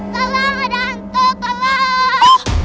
tolong ada hantu tolong